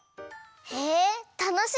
へえたのしみ！